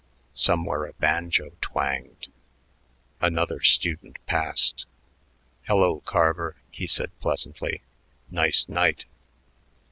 Somewhere a banjo twanged. Another student passed. "Hello, Carver," he said pleasantly. "Nice night."